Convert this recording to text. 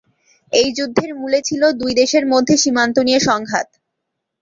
এই যুদ্ধের মূলে ছিল দুই দেশের মধ্যে সীমান্ত নিয়ে সংঘাত।